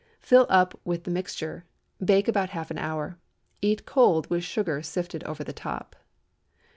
Fill up with the mixture, and bake about half an hour. Eat cold, with sugar sifted over the top.